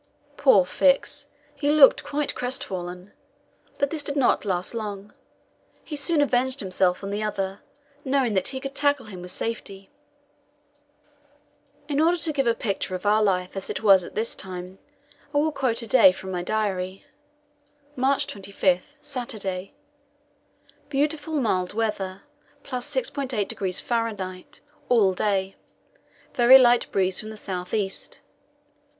Poor Fix! he looked quite crestfallen. But this did not last long; he soon avenged himself on the other, knowing that he could tackle him with safety. In order to give a picture of our life as it was at this time, I will quote a day from my diary. March 25 Saturday: "Beautiful mild weather, +6.8° F. all day. Very light breeze from the south east.